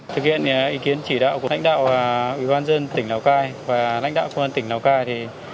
thực hiện ý kiến chỉ đạo của lãnh đạo ubnd tỉnh lào cai và lãnh đạo công an tỉnh lào cai